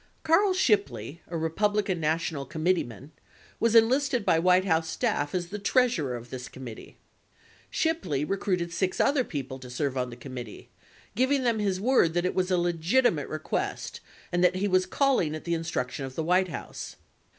68 Carl Shipley, a Republican National Committeeman, was enlisted by White House staff as the treasurer of this committee. 69 Shipley recruited six other people to serve on the committee, giving them his word that it was a legitimate request and that he was calling at the instruction of the White House.